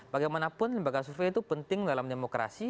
bagaimanapun lembaga survei itu penting dalam demokrasi